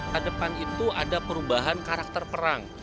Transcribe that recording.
di depan itu ada perubahan karakter perang